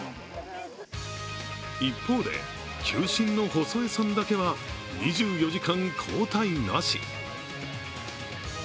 一方で球審の細江さんだけは２４時間交代なし。